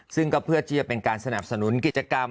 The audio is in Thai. ซึ่งก็เพื่อที่จะเป็นการสนับสนุนกิจกรรม